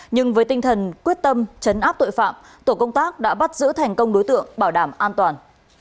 nhưng với tinh thần quyết tâm chấn áp tội phạm tổ công tác đã bắt giữ thành công đối tượng bảo đảm an toàn